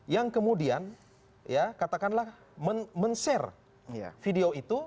yang kemudian ya katakanlah men share video itu